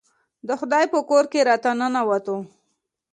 د خدای په کور کې راته ننوتو.